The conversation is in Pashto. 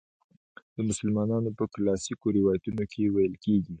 د مسلمانانو په کلاسیکو روایتونو کې ویل کیږي.